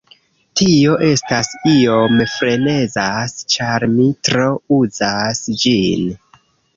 Tio estas iom frenezas ĉar mi tro uzas ĝin.